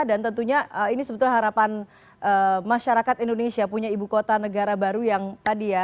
dan tentunya ini sebetulnya harapan masyarakat indonesia punya ibu kota negara baru yang tadi ya